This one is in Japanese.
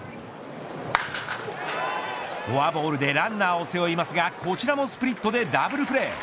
フォアボールでランナーを背負いますがこちらもスプリットでダブルプレー。